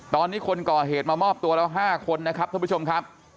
ตอนนี้คนก่อเหตุมามอบตัวแล้ว๕คนนะครับท่านผู้ชมครับ